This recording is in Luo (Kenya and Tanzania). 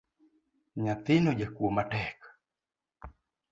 Nyathino jakuo matek.